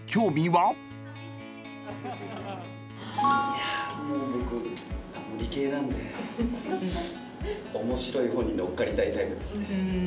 いやもう僕理系なんで面白い方にのっかりたいタイプですね。